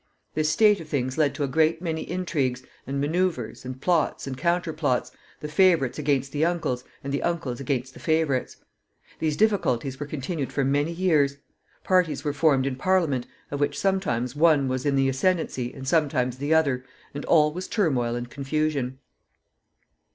This state of things led to a great many intrigues, and manoeuvres, and plots, and counterplots, the favorites against the uncles, and the uncles against the favorites. These difficulties were continued for many years. Parties were formed in Parliament, of which sometimes one was in the ascendency and sometimes the other, and all was turmoil and confusion.